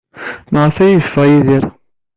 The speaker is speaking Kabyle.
Maɣef ay yeffeɣ Yidir?